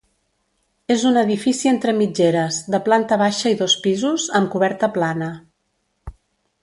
És un edifici entre mitgeres, de planta baixa i dos pisos, amb coberta plana.